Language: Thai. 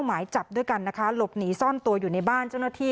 หมายจับด้วยกันนะคะหลบหนีซ่อนตัวอยู่ในบ้านเจ้าหน้าที่